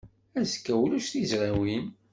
Azekka ulac tizrawin.